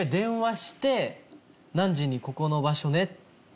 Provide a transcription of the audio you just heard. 何時にここの場所ね。